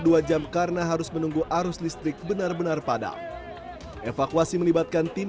dua jam karena harus menunggu arus listrik benar benar padam evakuasi melibatkan tim